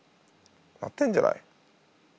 なってんじゃない？